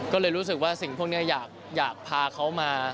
ก็เลยรู้สึกว่าสิ่งพวกนี้อยากพาเขามา